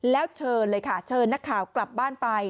แล้วเชิญเลยค่ะเชิญนักข่าวกลับบ้านไป